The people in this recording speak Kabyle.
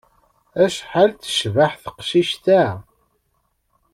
Acḥal tecbeḥ teqcict-a!